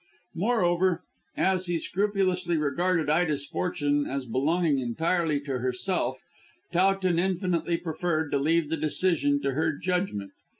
Moreover, as he scrupulously regarded Ida's fortune as belonging entirely to herself, Towton infinitely preferred to leave the decision to her judgment.